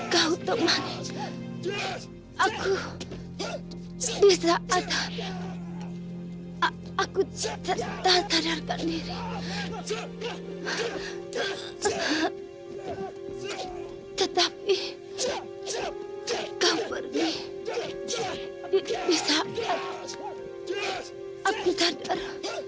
kau teman aku bisa ada aku cinta sadarkan diri tetapi kau pergi bisa aku sadar